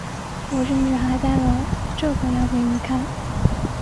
我甚至还带了这个要给你看